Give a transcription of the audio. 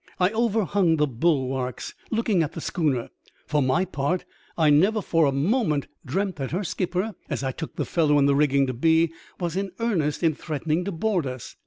I overhung the bulwarks, looking at the schooner. For my part I never for a moment dreamt that her skipper, as I took the fellow in the rigging to be, was in earnest in threatening to board us.